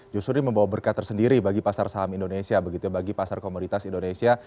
justru ini membawa berkat tersendiri bagi pasar saham indonesia begitu bagi pasar komoditas indonesia